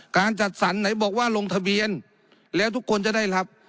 การจัดสรรไหนบอกว่าลงทะเบียนแล้วทุกคนจะได้รับ